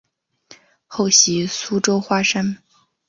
后徙苏州花山。